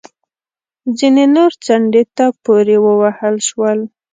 ځینې نور څنډې ته پورې ووهل شول